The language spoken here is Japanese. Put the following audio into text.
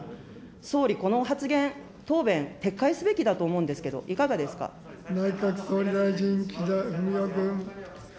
総理、この発言、答弁、撤回すべきだと思うんですけど、いかがで内閣総理大臣、岸田文雄君。